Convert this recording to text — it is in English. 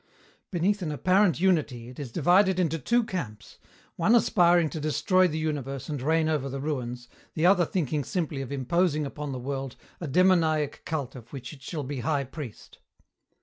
Beneath an apparent unity it is divided into two camps, one aspiring to destroy the universe and reign over the ruins, the other thinking simply of imposing upon the world a demoniac cult of which it shall be high priest.